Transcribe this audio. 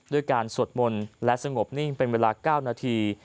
ด้วยการสวดมนต์และสงบนิ่งเป็นเวลา๙นาที